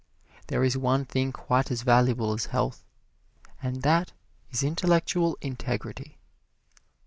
There is one thing quite as valuable as health, and that is intellectual integrity.